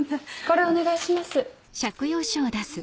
これお願いします。